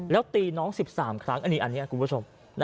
แล้วตีน้อง๑๓ครั้งอันนี้คุณผู้ชม